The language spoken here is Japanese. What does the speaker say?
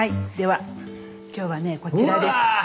では今日はねこちらです。